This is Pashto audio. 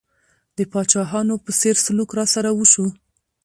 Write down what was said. د پاچاهانو په څېر سلوک راسره وشو.